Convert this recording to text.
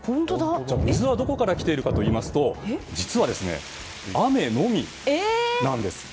水はどこから来ているかといいますと実は、雨のみなんです。